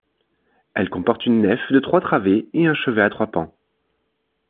Elle comporte une nef de trois travées et un chevet à trois pans.